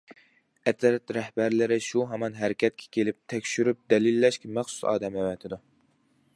ئەترەت رەھبەرلىرى شۇ ھامان ھەرىكەتكە كېلىپ، تەكشۈرۈپ دەلىللەشكە مەخسۇس ئادەم ئەۋەتىدۇ.